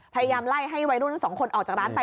พยายามไล่ให้วัยรุ่นทั้งสองคนออกจากร้านไป